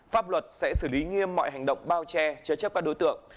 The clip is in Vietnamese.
pháp luật sẽ xử lý nghiêm mọi hành động bao che chế chấp các đối tượng